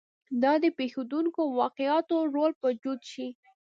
دا د پېښېدونکو واقعاتو رول به جوت شي.